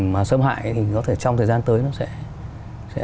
mà xâm hại thì có thể trong thời gian tới nó sẽ